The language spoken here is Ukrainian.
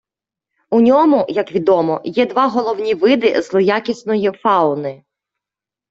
У ньому, як відомо, є два головні види злоякісної фауни.